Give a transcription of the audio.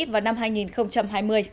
vào năm hai nghìn hai mươi